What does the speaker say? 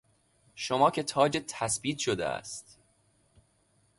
شما که تاجِت تثبیت شده است